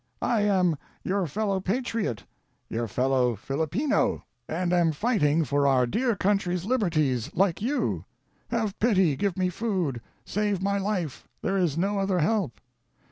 I am your fellow patriot, your fellow Filipino, and am fighting for our dear country's liberties, like you — have pity, give me food, save my life, there is no other help